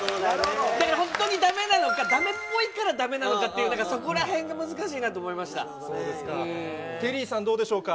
だから本当にだめなのか、だめっぽいからだめなのかっていう、そこらへんが難しいなと思いテリーさん、どうでしょうか。